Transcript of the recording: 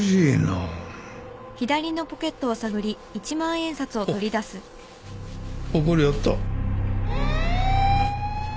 あっここにあった。